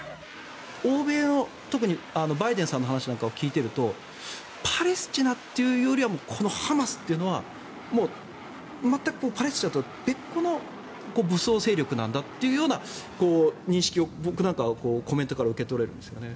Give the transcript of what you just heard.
欧米の、特にバイデンさんの話なんかを聞いているとパレスチナというよりはハマスというのは全くパレスチナとは別個の武装勢力なんだという認識を僕なんかはコメントから受け取れるんですよね。